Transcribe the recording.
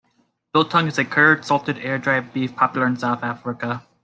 Biltong is a cured, salted, air dried beef popular in South Africa.